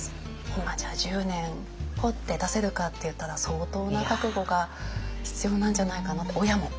今じゃあ１０年ポッて出せるかっていったら相当な覚悟が必要なんじゃないかなって親も。